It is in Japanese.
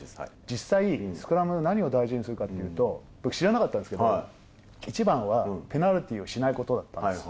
実際、スクラム何を大事にするかというと、僕知らなかったんですけど、一番はペナルティをしないことだったんです。